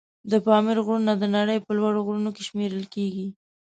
د پامیر غرونه د نړۍ په لوړ غرونو کې شمېرل کېږي.